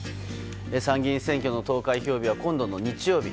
参議院選挙の投開票日は今度の日曜日。